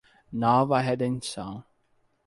Nova Redenção